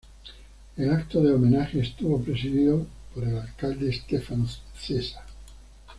El acto de homenaje estuvo presidido por el alcalde, Stefano Cesa.